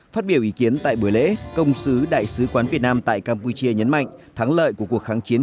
phát biểu ý kiến tại buổi lễ công sứ đại sứ quán việt nam tại campuchia nhấn mạnh thắng lợi của cuộc kháng chiến